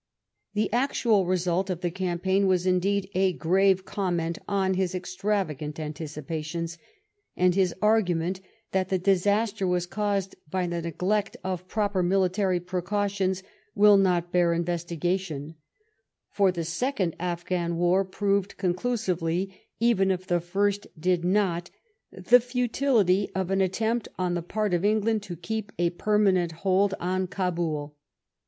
The actual result of the cam paign was indeed a grave comment on his extravagant anticipations, and his argument that the disaster was caused by the neglect of proper military precautions will not bear investigation, for the second Afghan war proved conclusively, even if the first did not, the futility of an attempt on the part of England, to keep a permanent hold on Cabul.